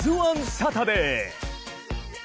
サタデー。